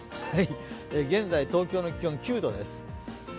現在、東京の気温９度です。